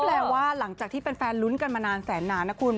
แปลว่าหลังจากที่แฟนลุ้นกันมานานแสนนานนะคุณ